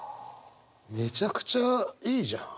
めちゃくちゃいいじゃん。